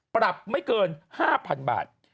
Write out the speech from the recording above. ปรับไม่เกินห้าพันบาท